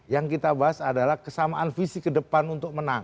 yang kita bahas adalah kesamaan visi ke depan untuk menang